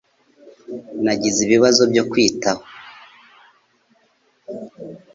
Nagize ibibazo byo kwitaho